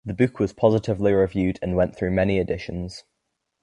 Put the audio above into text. The book was positively reviewed and went through many editions.